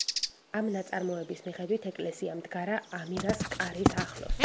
ამ ნაწარმოების მიხედვით, ეკლესია მდგარა ამირას კარის ახლოს.